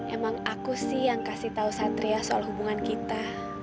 emang aku sih yang kasih tahu satria soal hubungan kita